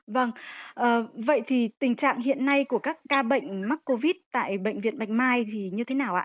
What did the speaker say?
vâng vậy thì tình trạng hiện nay của các ca bệnh mắc covid tại bệnh viện bạch mai thì như thế nào ạ